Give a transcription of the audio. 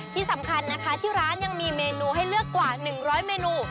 ที่สำคัญนะคะที่ร้านยังมีเมนูให้เลือกกว่า๑๐๐เมนู